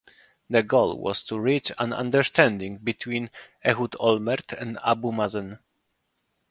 The goal was to reach an understanding between Ehud Olmert and Abu Mazen.